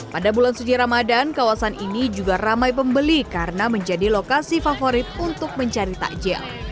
pada bulan suci ramadan kawasan ini juga ramai pembeli karena menjadi lokasi favorit untuk mencari takjil